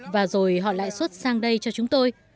và rồi họ lại xuất sang đây cho chúng tôi